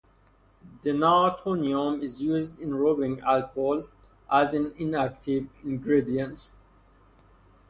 Denatonium is used in rubbing alcohol as an inactive ingredient.